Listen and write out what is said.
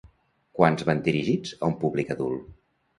Quants van dirigits a un públic adult?